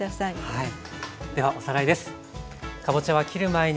はい。